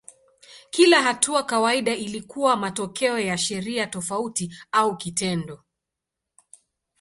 Kila hatua kawaida ilikuwa matokeo ya sheria tofauti au kitendo.